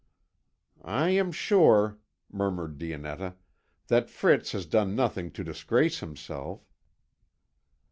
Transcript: "I am sure," murmured Dionetta, "that Fritz has done nothing to disgrace himself."